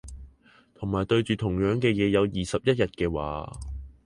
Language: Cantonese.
同埋對住同樣嘅嘢有二十一日嘅話